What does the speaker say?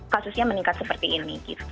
kasusnya meningkat seperti ini